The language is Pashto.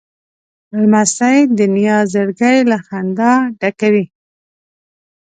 لمسی د نیا زړګی له خندا ډکوي.